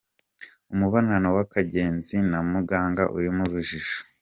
Umubano wa Kagenzi na Muganga urimo urujijo.